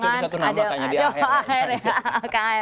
kalau sekarang sudah mengerjakan satu nama kayaknya di ahr